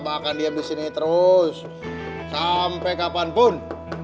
abang akan diam disini terus sampai kapanpun